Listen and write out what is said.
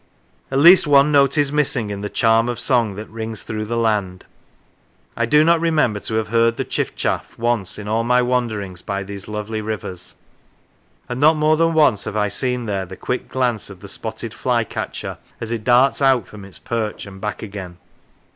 At least one note is missing in the charm of song that rings through the land; I do not remember to have heard the chiff chaff once in all my wanderings by these lovely rivers, and not more than once have I seen there the quick glance of the spotted fly catcher as it darts out from its perch and back again.